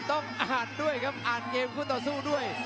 ต้องอ่านด้วยครับอ่านเกมคู่ต่อสู้ด้วย